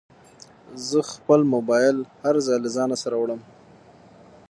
زه خپل موبایل هر ځای له ځانه سره وړم.